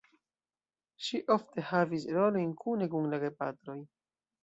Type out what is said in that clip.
Ŝi ofte havis rolojn kune kun la gepatroj.